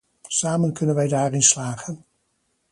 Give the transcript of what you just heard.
Samen kunnen wij daar in slagen.